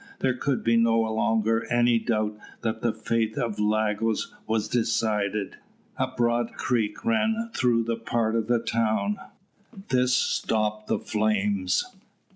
There could be no longer any doubt that the fate of Lagos was decided. A broad creek ran through part of the town. This stopped the flames.